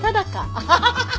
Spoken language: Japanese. アハハハッ！